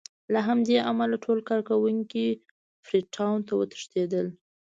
له همدې امله ټول کارکوونکي فري ټاون ته وتښتېدل.